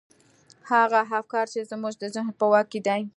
هغه افکار چې زموږ د ذهن په واک کې دي.